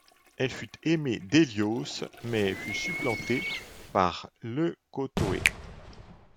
Elle fut aimée d'Hélios, mais fut supplantée par Leucothoé.